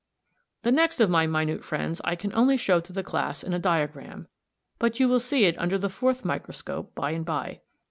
The next of my minute friends I can only show to the class in a diagram, but you will see it under the fourth microscope by and by.